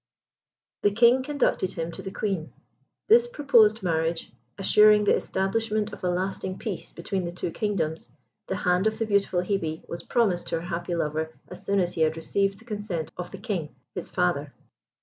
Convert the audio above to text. The King conducted him to the Queen. This proposed marriage, assuring the establishment of a lasting peace between the two kingdoms, the hand of the beautiful Hebe was promised to her happy lover as soon as he had received the consent of the King, his father.